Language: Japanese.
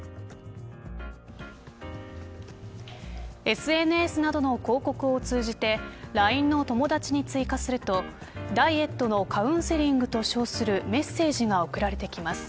ＳＮＳなどの広告を通じてＬＩＮＥの友達に追加するとダイエットのカウンセリングと称するメッセージが送られてきます。